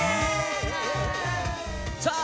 さあ